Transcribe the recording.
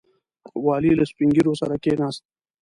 والي له سپین ږیرو سره کښېناست.